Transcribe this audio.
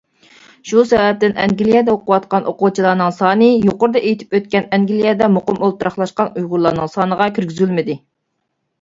شۇ سەۋەبتىن ئەنگلىيەدە ئوقۇۋاتقان ئوقۇغۇچىلارنىڭ سانى يۇقىرىدا ئېيتىپ ئۆتكەن ئەنگلىيەدە مۇقىم ئولتۇراقلاشقان ئۇيغۇرلارنىڭ سانىغا كىرگۈزۈلمىدى.